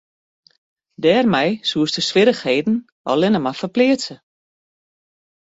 Dêrmei soest de swierrichheden allinne mar ferpleatse.